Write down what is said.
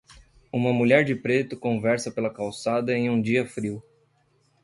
Uma mulher de preto conversa pela calçada em um dia frio.